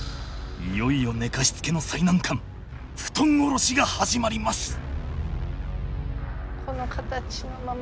いよいよ寝かしつけの最難関布団降ろしが始まります！